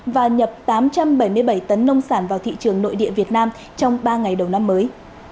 và nhập tám trăm bảy mươi bảy tấn nông sản vào thị trường nội địa việt nam trong ba ngày đầu năm mới